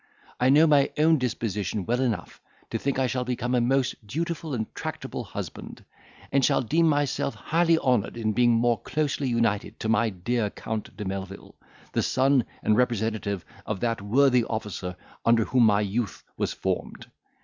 I know my own disposition well enough to think I shall become a most dutiful and tractable husband; and shall deem myself highly honoured in being more closely united to my dear Count de Melvil, the son and representative of that worthy officer under whom my youth was formed.